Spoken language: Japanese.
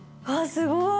すごい。